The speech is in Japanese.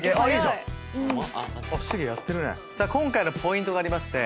今回のポイントがありまして。